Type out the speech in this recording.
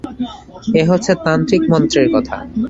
এ হচ্ছে তান্ত্রিক মন্ত্রের কথা।